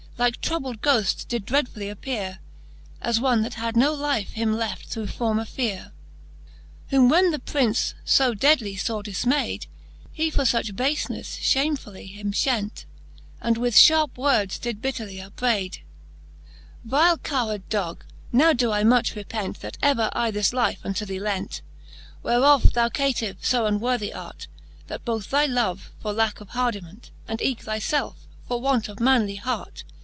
Like troubled ghoft did dreadfully appeare,. As one that had no life him left through former fearci XXXIII. Whom. 296 IChe Jixthe Booke of Canto VI, XXXIII. Whom when the Prince fo deadly faw difmayd, He for fuch bafenefle fhamefully him fhent, And with fharpe words did bitterly upbrayd ; Vile cowheard dogge, now doe I much repent, That ever I this life unto thee lent, Whereof thou caytive fo unworthie art; That both thy love, for lacke of hardiment, And eke thy felfe, for want of manly hart.